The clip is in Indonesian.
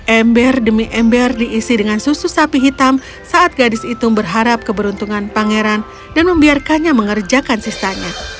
ember demi ember diisi dengan susu sapi hitam saat gadis itu berharap keberuntungan pangeran dan membiarkannya mengerjakan sisanya